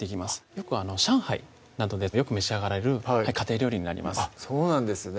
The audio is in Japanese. よく上海などでよく召し上がられる家庭料理になりますあっそうなんですね